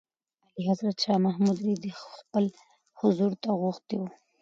اعلیحضرت شاه محمود رېدی خپل حضور ته غوښتی و.